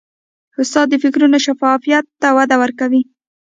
استاد د فکرونو شفافیت ته وده ورکوي.